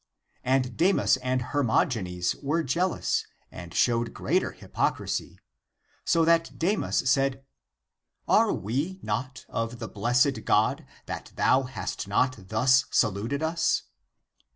And Demas and Hermogenes were jeal ous and showed greater hypocrisy, so that Demas said :" are we not of the blessed God, that thou hast not thus saluted us?